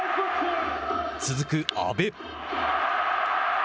続く阿部。